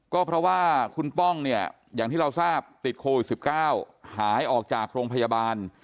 ก็เพราะว่าคุณป้องเนี่ยอย่างที่เราทราบติดโควิด๑๙หายออกจากโรงพยาบาล